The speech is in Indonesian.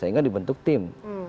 sehingga dibentuk tim